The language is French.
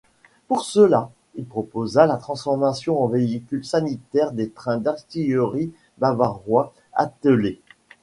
Pour cela, Il proposa la transformation en véhicules sanitaires des trains d'artillerie bavarois attelés.